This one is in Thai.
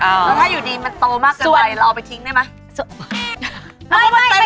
แล้วถ้าอยู่ดีมันโตมากเกินไปเราเอาไปทิ้งได้ไหม